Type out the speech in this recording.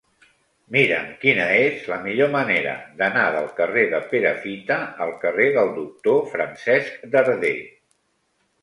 Mira'm quina és la millor manera d'anar del carrer de Perafita al carrer del Doctor Francesc Darder.